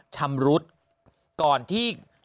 ชำรุดก่อนที่